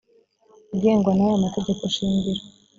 ugengwa n aya mategeko shingiro